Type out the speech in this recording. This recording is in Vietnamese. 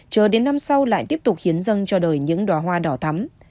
chờ đến năm sau lại tiếp tục khiến dân cho đời những đoá hoa đỏ thắm